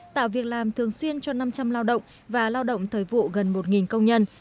tạo việc làm thường xuyên cho năm trăm linh lao động và lao động thời vụ gần một công nhân